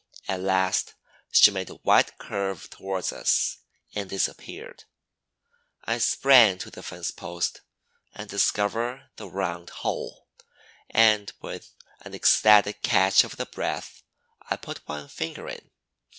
At last she made a wide curve towards us and disappeared. I sprang to the fence post and discovered the round hole, and with an ecstatic catch of the breath I put one finger in.